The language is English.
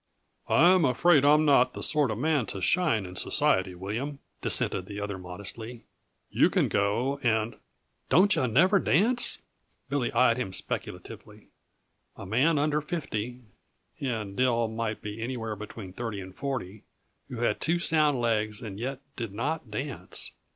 "I'm afraid I'm not the sort of man to shine in society, William," dissented the other modestly. "You can go, and " "Don't yuh never dance?" Billy eyed him speculatively. A man under fifty and Dill might be anywhere between thirty and forty who had two sound legs and yet did not dance!